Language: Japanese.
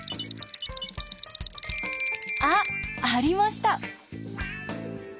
あっ！ありました。